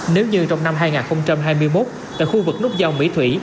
nếu như trong năm hai nghìn hai mươi một tại khu vực nút giao mỹ thủy